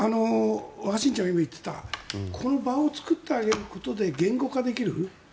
若新ちゃんが今、言っていたこの場を作ってあげることで言語化できる。